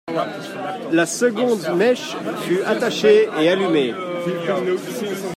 La seconde mèche, fut attachée et allumée.